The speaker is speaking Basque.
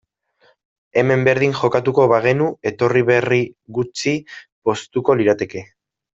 Hemen berdin jokatuko bagenu, etorri berri gutxi poztuko lirateke.